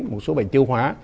một số bệnh tiêu hóa